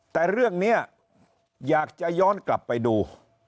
แต่เรื่องนี้อยากจะย้อนกลับไปดู